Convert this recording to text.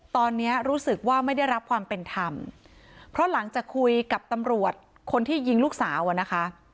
ตอนนี้รู้สึกว่าไม่ได้รับความเป็นธรรมเพราะหลังจากคุยกับตำรวจคนที่ยิงลูกสาวอ่ะนะคะ